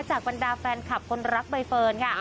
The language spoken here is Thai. บรรดาแฟนคลับคนรักใบเฟิร์นค่ะ